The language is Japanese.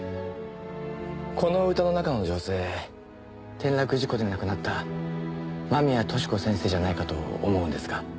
この歌の中の女性転落事故で亡くなった間宮寿子先生じゃないかと思うんですが。